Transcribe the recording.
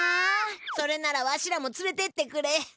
それならわしらもつれてってくれ。